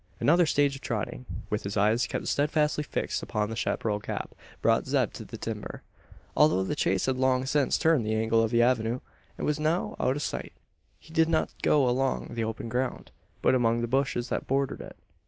Another stage of trotting with his eyes kept steadfastly fixed upon the chapparal gap brought Zeb to the timber. Although the chase had long since turned the angle of the avenue, and was now out of sight, he did not go along the open ground; but among the bushes that bordered it.